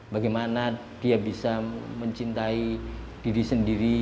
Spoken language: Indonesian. bagaimana dia bisa mencintai diri sendiri